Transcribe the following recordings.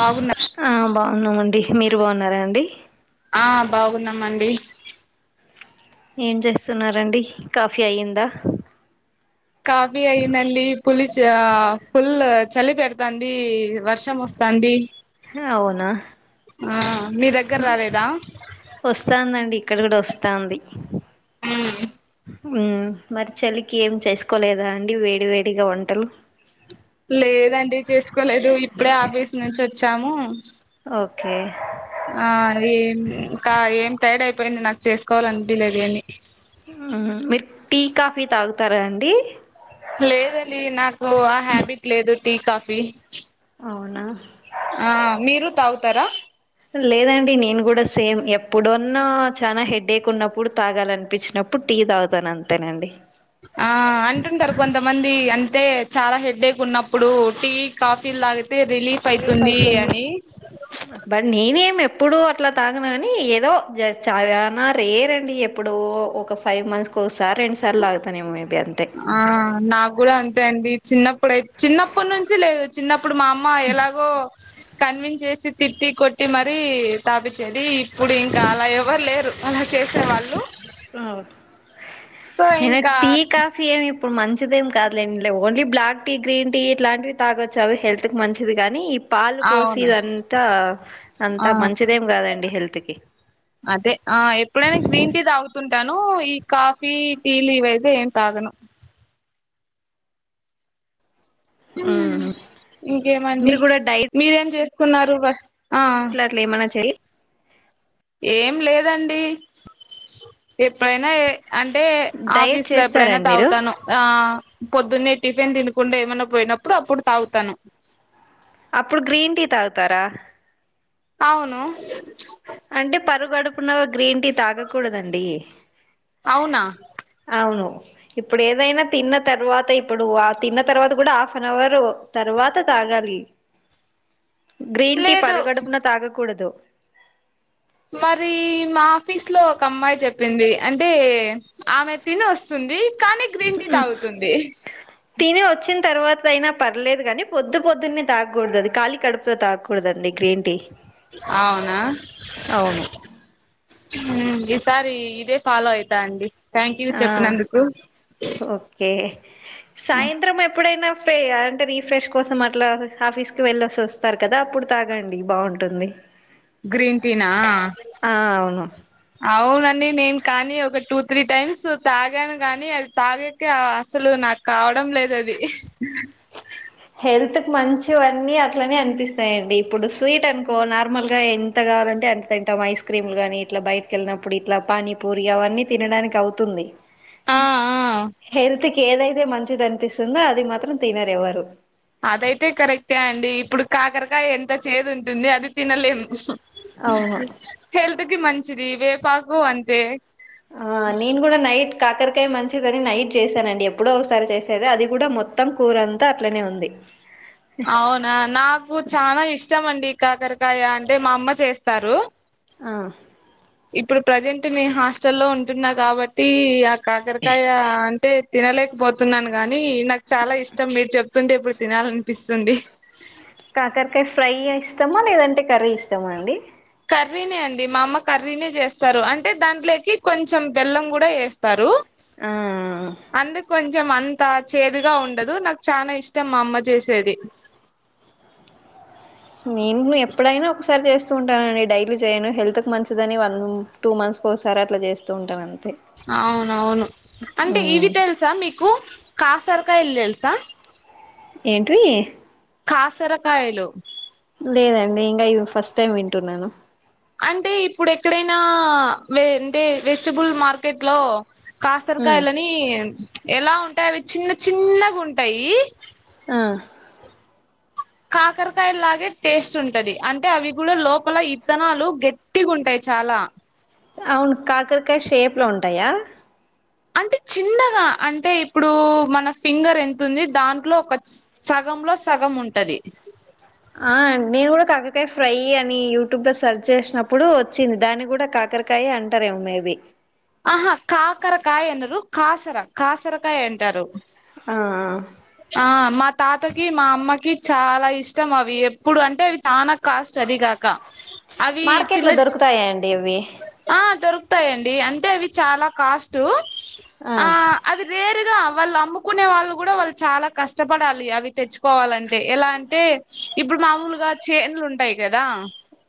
బాగున్నా ఆ బాగున్నామండి మీరు బాన్నారా అండి. ఆ బాగున్నాం అండి. ఏం చేస్తున్నారండి కాఫీ ఆయిందా. కాఫీ అయిందండి పులిచ్ ఆ ఫుల్ చలి పెడతాంది వర్షం వస్. తండి అవునా ఆ మీ దగ్గరాలేదా ఓస్తాందండి ఇక్కడ గూడా ఓస్తాంది మ్మ్ మ్మ్ మరి చలికి ఏం చేస్కొలేదా అండి వేడి వేడిగా వంటలు లేదండి చేస్కొలేదు ఇప్పుడే ఆఫీస్ నుంచి ఓచ్చాము ఓకే ఆ ఏం ఇంకా ఏం టైడ్ ఐపోయింది నాక్ చేస్కొవా లనిపియలేదు ఏమి మ్మ్ మీర్ టీ కాఫీ తాగుతారా అండి లేదండి నాకు ఆ హ్యాబిట్ లేదు టీ కాఫీ అవునా ఆ మీరు తాగుతరా లేదండి నేను గూడా సేమ్ ఎప్పుడన్నా చనా హెడ్డేక్ ఉన్నప్పుడు తాగాలనిపించినప్పు ఇప్పుడు టీ తాగుతాను అంతేనండి ఆ అంటుంటారు కొంతమంది అంతె చాలా హెడేక్ ఉన్నప్పుడు టీ కాఫీ లాగా ఇప్పుడ్ రిలీఫ్ ఐతుంది బట్ నేనేమి ఎప్పుడు అట్లా తాగను గనీ ఏదో జ చనా రేర్ అండి ఎప్పుడో ఒక ఫైవ్ మంత్స్ కోసారీ రెండ్ సార్లు తాగుతానేమో మేబి అంతె ఆ నాక్ గూడా అంతే అండి చిన్నప్పుడై చిన్నప్పు నుంచి లేదు చిన్నప్పుడు మా అమ్మ ఎలాగో కన్విన్ జేసి తిట్టి కొట్టి మరీ తాపిచ్చేది ఇప్పుడు ఇంకా అలా ఎవ్వర్ లేరు అలా చేసే వాళ్ళు ఫ్లాట్ సో నేన ఇంకా టీ కాఫ్ ఫీ ఏమి ఇప్పుడు మంచిదేం కాదులేండి only black tea green tea ఇలాంటివి తాగొచ్చు అవి హెల్త్ హెల్త్కు మంచిది గాని ఇప్ పాలు పోసి అవును ఇదంతా ఆ అంతా మంచిదేం కాదండి హెల్త్ కి అదే ఆ ఎప్పుడైనా గ్రీన్ టీ తాగుతుంటాను ఈ కాఫీ టీలు ఇవైతే ఏం తాగను మ్మ్ మ్ ఇంకేమండి మీరు కూడా డైట్ మీరేం చేసుకున్నారు ఆ ఇట్లా అట్ల ఏమన్నా చేయి ఏం లేదండి ఎప్పుడైనా ఏ అంటే డైట్ ఆఫీస్లో ఎప్పుడైనా చేస్తారండి మీరు తాగుతాను ఆ పొద్దున్నే టిఫెన్ దినకుండా ఏమన్నా పోయినప్పుడు అప్పుడు తాగుతాను అప్పుడు గ్రీన్ టీ తాగుతారా అవును అంటే పరుగడుపున గ్రీన్ టీ తాగకూడదండి అవునా అవును ఇప్పుడేదైనా తిన్న తర్వాత ఇప్పుడు ఆ తిన్నతర్వాత గూడా హాఫెనవర్ తర్వాత తాగాలి గ్రీన్ టీ లేదు పరుగడుపున తాగకూడదు మరి మా ఆఫీస్ లో ఒక అమ్మాయి చెప్పింది అంటే ఆమె తిని వస్తుంది కానీ గ్రీన్ టీ ఉమ్ తాగుతుంది తిని వచ్చిన తర్వాత అయినా పర్లేదు కానీ పొద్దు పొద్దున్నే తాకూడదు అది ఖాలీ కడుపుతో తాకు కూడదండి గ్రీన్ టీ అవునా అవును ఉమ్ ఈసారి ఇదే ఫాలో అయితా అండి, థ్యాంక్ యూ ఆ చెప్పినందుకు. ఓకే సాయంత్రమేప్ ప్పుడైనా ఫే అంటే రీఫ్రెష్ కోసం అట్లా ఆఫీస్కి వెళ్లేసేసి వస్తారు కదా, అప్పుడు తాగండి బాగుంటుంది. గ్రీన్ టీనా? ఆ అవును అవునండి, నేను కానీ ఒక టూ త్రీ టైమ్స్ తాగాను గానీ అది తాగే కె అసలు నాకు కావడం లేదు అది. హెల్త్ కి మంచివన్నీ అట్లనే అనిపిస్తయండి, ఇప్పుడు స్వీట్ అనుకో నార్మల్ గా ఎం ఎంత కావాలంటే అంత తింటాం, ఐస్ క్రీమ్లు గాని ఇట్ల బయటకి వెళ్ళినప్పుడు ఇట్ల పానీపూరి అవన్నీ తినడానికి అవుతుంది. ఆ ఆ హెల్త్ కి ఏదైతే మంచిది అనిపిస్తుందో అది మాత్రం తినరు ఎవ్వరు. అదైతే కరెక్టే అండి, ఇప్పుడు కాకరకాయ ఎంత చేదు ఉంటుంది అది తినలేము. అవును హల్త్కి మంచిది, వేపాకు అంతే. ఆ నేను గుడ నైట్ కాకరకాయ మంచిదని నైట్ చేసానండి, ఎప్పుడో ఒకసారి చేసేది అది కూడా మొత్తం కూర అంతా అట్లనే ఉంది. అవునా నాకు చాలా ఇష్టం అండి కాకరకాయ అంటే, మా అమ్మ చేస్తారు. ఆ ఇప్పుడు ప్రజెంట్ నేను హాస్టల్లో ఉంటున్నా కాబట్టి, ఆ కాకరకాయ అంటే తినలేకపోతున్నాను గాని, నాకు చాలా ఇష్టం మీరు చెప్తుంటే ఇప్పుడు తినాలనిపిస్తుంది. కాకరకాయ ఫ్రై ఇస్టమా, లేదంటే కర్రీ ఇష్టమా అండి? కర్రీనే అండి, మా అమ్మ కర్రీనే చేస్తారు అంటే దాంట్లోకి కొంచెం బెల్లం గుడ ఏస్తారు. ఆ అందుకు కొంచం అంతా చేదుగా ఉండదు, నాకు చాన ఇష్టం మా అమ్మ చేసేది. నేను గుడ ఎప్పుడైనా ఒకసారి చేస్తూ ఉంటానండి, డైలీ చేయను హెళ్తుకి మంచిదని వం టూ మంత్స్కి ఒకసారి అట్లా చేస్తూ ఉంటాను అంతే. అవునవును, అంటే మ్మ్ ఇవి తెలుసా మీకు కాసరకాయలు తెలుసా? ఏంటివి? కాసరకాయలు లేదండి ఇంగ ఈ ఫస్ట్ టైమ్ వింటున్నాను. అంటే ఇప్పుడు ఎక్కడైనా, వే అంటే వెజిటబుల్ మార్కెట్ లో మ్మ్ కాసరకాయలని ఎలా ఉంటయి అవి చిన్న చిన్న గుంటయి. ఆ కాకరకాయ లాగే టేస్ట్ ఉంటది, అంటే అవి కూడా లోపల ఇత్తనాలు గట్టిగ ఉంటాయి చాలా. అవును కాకరకాయ షేప్లో ఉంటాయా? అంటే చిన్నగా అంటే ఇప్పుడు మన ఫింగర్ ఎంత ఉంది, దాంట్లో ఒక చ్ సగంలో సగం ఉంటది. ఆ నేను కూడా కాకరకాయ ఫ్రై అని యూట్యూబ్ లో సెర్చ్ చేసినప్పుడు వచ్చింది, దాన్ని గుడా కాకర కాయ అంటారెమో మేబీ అహ కాకరకాయ అనరు, కాసర కాసరకాయ అంటారు. ఆ ఆ మా తాతకి మా అమ్మకి చాలా ఇష్టం అవి, ఎప్పుడు అంటే అవి చాన కాస్ట్ అదిగాక అవి మార్కెట్లో చిన్న దొరుకుతాయాండి ఇవి. ఆ దొరుకుతాయండి, అంటే అవి చాలా కాస్ట్, ఆ అది వేరుగా వాళ్ళు అమ్ముకునే వాళ్ళు గుడా వళ్ చాలా కష్టపడాలి అవి తెచ్చుకోవాలంటే, ఎలా అంటే ఇప్పుడు మామూలుగా చేన్లుంటాయి కదా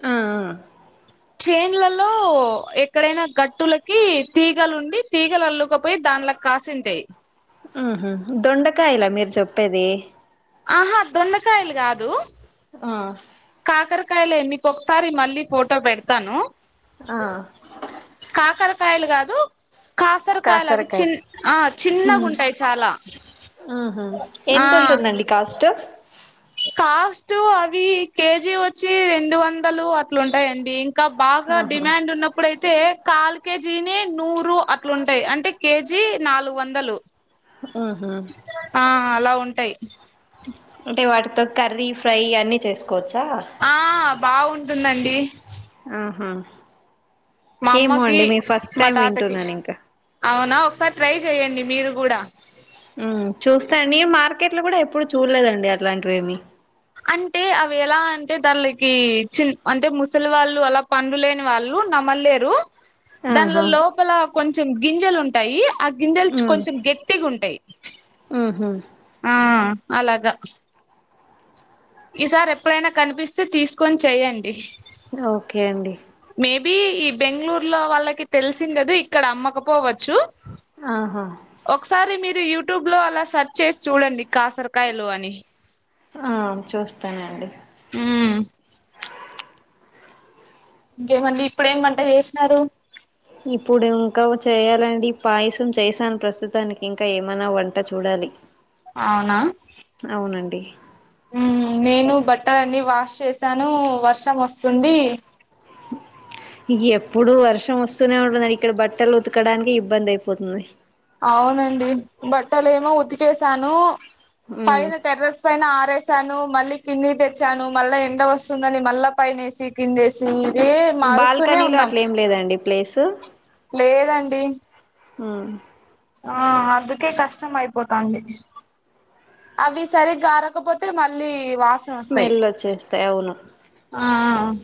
ఆహ్ ఆహ్ చైన్లలో ఎక్కడైన గట్టులకి తీగలు తీగల్ అల్లుకపోయి దాండ్లకు కాసింటాయి ఉహ్ హు్ దొండకాయలా మీర్ చెప్పేది ఆహా దొండకాయిలు కాదు ఆహ్ కాకర్కాయలే మీకోక్కసారి మళ్ళీ ఫోటో పెడతాను ఆహ్ కాకర్కాయలు గాదు కాకర్కాయలవి కాసరకాయ చిన్న ఆ చిన్నగుంటాయి చాలా ఆహ్ ఆ ఎంతుంటుందండి కాస్ట్ కాస్ట్ అవి కేజీ వచ్చి రెండు వందలు అట్లుంటాయండి ఇంక బాగా ఆహా డిమాండ్ ఉన్న ఇప్పుడైతే కాల్ కేజీని నూరు అట్లుంటాయి అంటే కేజీ నాలుగు వందలు హు్ హు్ ఆహ్ అలా ఉంటాయి అంటే వాటితో కర్రీ ఫ్రై అన్నీ చేస్కోచ్చా ఆహ్ బాగుంటుందండి ఆహా మా ఏమో అమ్మకి అండి మేం ఫస్ట్ టైమ్ వింటున్నాను ఇంక ఔనా ఒకసారి ట్రై చెయ్యడి మీరు గూడా ఉమ్ చూస్తాండి మార్కెట్ లో గుడా ఎప్పుడు చూడలేదండి అలాంటివి ఏమ్ అంటే అవి ఎలా అంటే దాంట్లకి చిన్ అంటే ముసలి వాళ్ళు అలా పండ్లు లేని వాళ్ళు నమ్మల్లేరు దాంట్ల ఆహా లోపల కొంచెం గింజలుంటాయి గింజెల్ ఉమ్ కొంచెం గట్టిగుంటాయి ఉహు ఆహ్ అలాగా ఈసారి ఎప్పుడైనా కనిపిస్తే తీసుకొని చెయ్యండి ఓకే అండి మేబీ ఈ బెంగళూర్లో వాళ్ళకి తెలిసుండదు ఇక్కడ అమ్మకపోవచ్చు ఆహా ఒకసారి మీరు యూట్యూబ్ లో అలా సెర్చ్ చేసి చూడండి కాసరకాయలు అని ఆహ్ చూస్తానండి ఉమ్ ఇంకేమండి ఇప్పుడేమ్ వంట జేషినారు ఇప్పుడు ఇంకా చేయాలండి పాయసం చేశాను ప్రస్తుతానికి ఇంకా ఏమైనా వంట చూడాలి ఔనా అవునండి నేను బట్టల్ అన్ని వాష్ చేసాను వర్షం ఓస్తుంది ఇగ్ ఎప్పుడు వర్షం వస్తూనే ఉంటదండి ఇక్కడ బట్టలు ఉతకడానికి ఇబ్బంది అయిపోతుంది అవునండి బట్టలేమో ఉతికేసాను ఉమ్ పైన టెర్రస్ పైన ఆరేసాను మళ్ళీ కిందికి తెచ్చాను మళ్ళ ఎండ వస్తుందని మళ్ళ పైనేసి కిందేసీ ఇదే మారుస్తూనే బాల్కనీలో ఉన్నాం అట్లే ఏం లేదండి ప్లేసు లేదండి ఉమ్ ఆహ్ అందుకే కష్టం అయిపోతది అవి సరిగా ఆరకపోతే మళ్ళీ వాసనొస్తాయి స్మెల్ వచ్చేస్తాయి అవును ఆహ్ ఆహ్ ఆహ్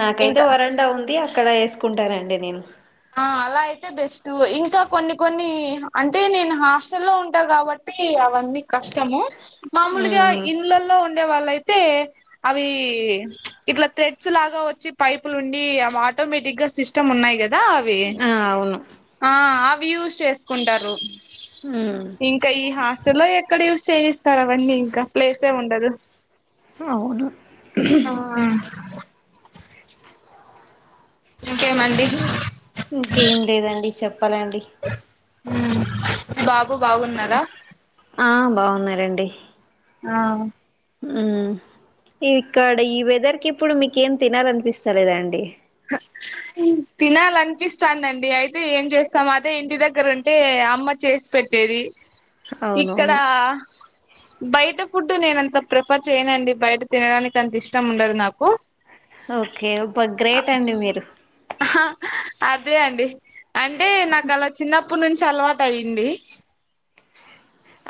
నాకైతే ఇంకా వరండా ఉంది అక్కడ ఏసుకుంటానండి నేను హ్ అలా అయితే బెస్ట్ ఇంకా కొన్ని కొన్ని అంటే నేను హాస్టల్లో ఉంటా కాబ ట్టి అవన్నీ కష్టము మామూలుగా ఉమ్ ఇన్లల్లో ఉండే వాళ్ళయితే అవి ఇట్లా థ్రెడ్స్ లాగా వచ్చి పైపులు ఉండి అవి ఆటోమేటిక్ గా సిస్టమ్ ఉన్నాయి గదా కదా అవి ఆ అవును ఆ అవి యూస్ చేసుకుంటారు ఉమ్ ఇంకా ఈ హాస్టలో ఎక్కడ యూస్ చేయిస్తారు అవన్నీ ఇంకా ప్లేసే ఉండదు అవును అ ఇంకేమండి ఇంకేం లేదండి చెప్పాలండి ఉహు బాబు బాగున్నారా ఆ బాగున్నారండి అ ఉమ్ ఇక్కడ ఈ వెదర్ కి ఇప్పుడు మీకేం తినాలనిపిస్త లేదాండి [unintelligible] తినాలనిపిస్తాందండి అయితే ఏం చేస్తాం అదే ఇంటి దగ్గర ఉంటే అమ్మ చేసి పెట్టేది ఇక్కడ అవునవును బయట ఫుడ్ నేనంత ప్రిఫర్ చేయనండి బయట తినడానికి అంత ఇష్టం ఉండదు నాకు ఓకే ఫస్ట్ గ్రేట్ అండి మీరు హ అదే అండి అంటే నాకలా చిన్నప్పుడ్ నుంచి అలవాటు అయింది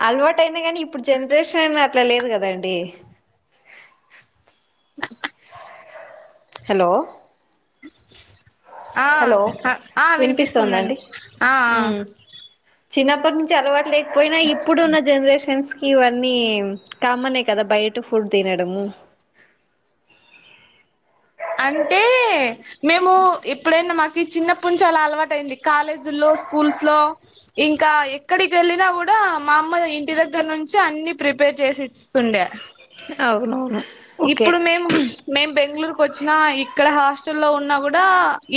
అలవాటయింది గనీ ఇప్పుడు జనరేషన్ అయినా అట్లా లేదు గదాండి హలో ఆ హలో ఆ వినిపిస్తుందండి ఆ ఆ చిన్నప్పడ్ నుంచి అలవాటు లేకపోయినా ఇప్పుడున్న జనరేషన్స్ ఇవన్నీ కామనే కదా బయట ఫుడ్ తినడం అంటే మేము ఎప్పుడైనా మాకీ చిన్నప్పుడ్ నుంచి అలా అలవాటయింది కాలేజీల్లో స్కూల్స్ లో ఇంకా ఎక్కడి కెళ్ళినా గూడా మా అమ్మ ఇంటి దగ్గర నుంచి అన్ని ప్రిపేర్ చేసి ఇస్తుండే అవునవును ఓకే ఇప్పుడు మేం మేం బెంగళూరు కచ్చిన ఇక్కడ హాస్టల్ లో ఉన్నా గూడా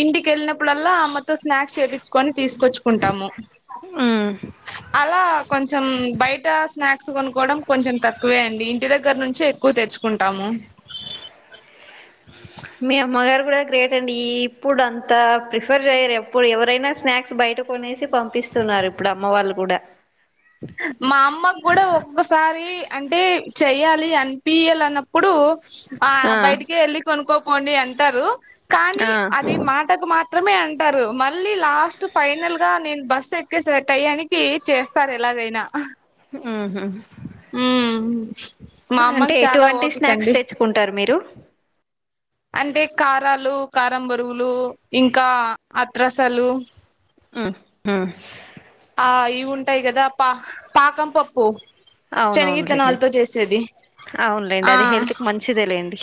ఇంటికెళ్ళినప్పుడల్ల అమ్మ తో స్నాక్స్ చేపిచుకొని తీసుకొచ్చుకుంటాము ఉ అలా కొంచం బయట స్నాక్స్ కొనుక్కోవడం కొంచం తక్కువేంది ఇంటి దగ్గర నుంచే ఎక్కువ తెచ్ కుంటాము మీ అమ్మగారు కూడా గ్రేట్ అండి ఇప్పుడు అంతా ప్రిఫర్ చేయ్యరు ఎప్పుడు ఎవరైనా స్నాక్స్ బయట కొనేసి పంపిస్తున్నారు ఇప్పుడు అమ్మ వాళ్ళు గూడా మా అమ్మ గూడా ఒక్కొక్కసారి అంటే చెయ్యాలి అనిపియాల అన్నప్పుడు ఆ బయటికే ఎళ్ళి కొనుక్కోపోండి అంటారు కానీ ఆ అది మాట్ టకు మాత్రమే అంటారు మళ్ళీ లాస్ట్ ఫైనల్ గా నేను బస్సు ఎక్కేసె టాయ్యానికి చేస్తారేమో ఎలాగైనా ఆహ ఊ అంటే ఎటువంటి స్నాక్స్ తెచ్చుకుంటార్ మీరు అంటే కారాలు కారం బరొగులు ఇంకా అత్రసాలు ఉ ఉ ఆ ఇవుంటాయ్ గదా పా పాకం పొప్పు అవునవునులేండి చెనగిత్తనళ్తో జేసేది ఆ చిదేలేండి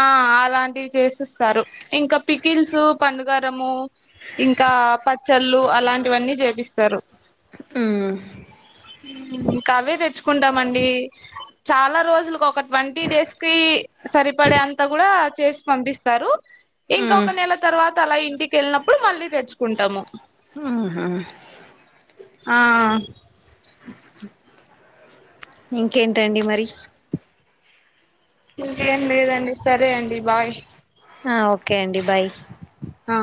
ఆ అలాంటివ్ చేసిస్తారు ఇంకా పికిల్సు పండుగారము ఇంకా పచ్చళ్ళు అలాంటివన్నీ జేపిస్తారు ఊ ఊ ఇంకవే దెచ్చుకుంటామండీ చాలా రోజులుకొక ట్వంటీ డేస్ కీ సరి పడే అంతా గూడ చేసి పంపిస్తారు మ్ ఇంకొక నెల తర్వా త అలా ఇంటికెళ్ననప్పుడు మళ్ళీ దెచ్చుకుంటాము ఊహూ ఆ ఇంకేంటండి మరి ఇంకేం లేదండి సరే అండి బాయ్ ఆ ఓకే అండి బాయ్ ఆ